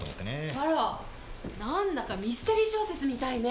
あら何だかミステリー小説みたいね。